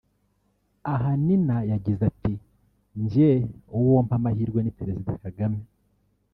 aha Nina yagize ati” Njye uwo mpa amahirwe ni Perezida Kagame